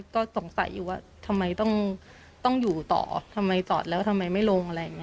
ก็สงสัยอยู่ว่าทำไมต้องต้องอยู่ต่อทำไมจอดแล้วทำไมไม่ลงอะไรอย่างนี้